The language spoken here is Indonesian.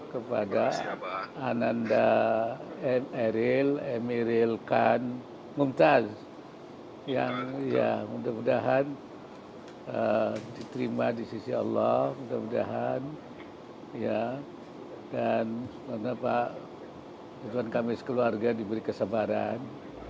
kepada ananda emeril kan bumtas yang mudah mudahan diterima di sisi allah dan rituan kamil keluarga diberi kesabaran